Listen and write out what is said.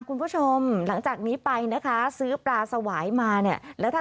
คุณผู้ชมหลังจากนี้ไปนะคะซื้อปลาสวายมาเนี่ยแล้วถ้า